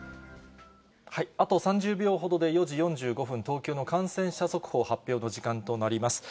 あと３０秒ほどで４時４５分、東京の感染者速報発表の時間となります。